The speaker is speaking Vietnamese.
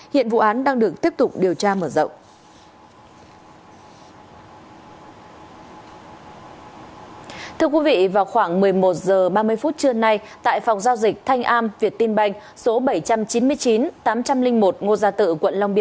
hiện vụ án đang được tiếp tục điều tra mở rộng